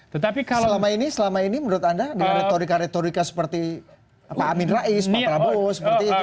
tetapi selama ini selama ini menurut anda dengan retorika retorika seperti pak amin rais pak prabowo seperti itu